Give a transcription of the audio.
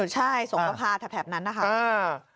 ใช่สงคราภาคแถบนั้นนะครับ